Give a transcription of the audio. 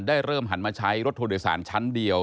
เริ่มหันมาใช้รถทัวร์โดยสารชั้นเดียว